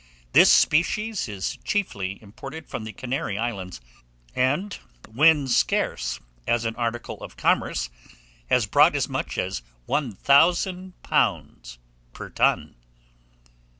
This species is chiefly imported from the Canary Islands, and, when scarce, as an article of commerce has brought as much as £1000 per ton.